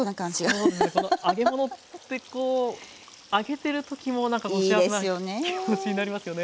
そうですねこの揚げ物ってこう揚げてる時も何か幸せな気持ちになりますよね。